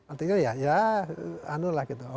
artinya ya anulah gitu